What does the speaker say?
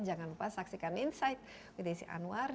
jangan lupa saksikan insight with desi anwar